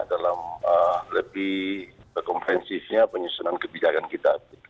dalam lebih komprehensifnya penyusunan kebijakan kita